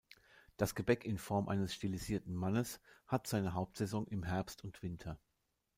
Das Gebäck in Form eines stilisierten Mannes hat seine Hauptsaison im Herbst und Winter.